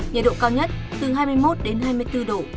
nhiệt độ cao nhất từ hai mươi một đến hai mươi bốn độ